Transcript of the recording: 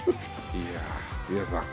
いやぁ皆さん